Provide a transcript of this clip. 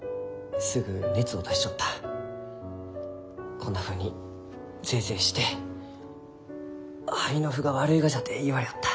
こんなふうにぜえぜえして肺の腑が悪いがじゃって言われよった。